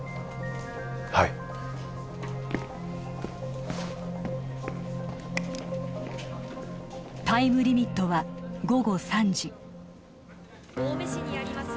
はいタイムリミットは午後３時青梅市にあります